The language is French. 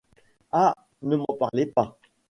Ah ! ne m’en parlez pas !